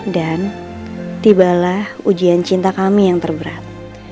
dan tibalah ujian cinta kami yang terberat